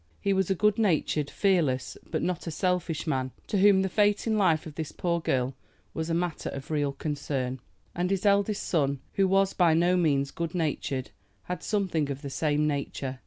He was a good natured, fearless, but not a selfish man, to whom the fate in life of this poor girl was a matter of real concern. And his eldest son, who was by no means good natured, had something of the same nature.